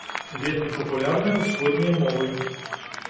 Вельмі папулярныя ўсходнія мовы.